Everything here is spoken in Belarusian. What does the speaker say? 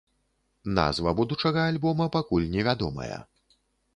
Назва будучага альбома пакуль невядомая.